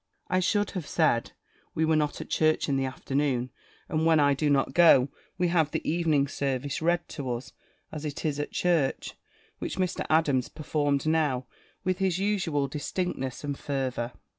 I should have said, we were not at church in the afternoon; and when I do not go, we have the evening service read to us, as it is at church; which Mr. Adams performed now, with his usual distinctness and fervour.